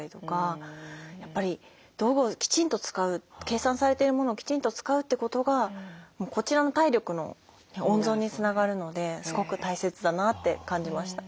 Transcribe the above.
計算されてるものをきちんと使うってことがこちらの体力の温存につながるのですごく大切だなって感じました。